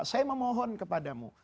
saya memohon kepadamu